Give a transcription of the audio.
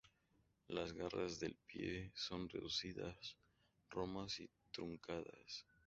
Las garras del pie son reducidas, romas y truncadas.